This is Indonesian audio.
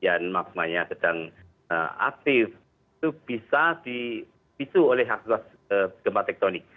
yang maknanya sedang aktif itu bisa dipisu oleh aktivitas gempa tektonik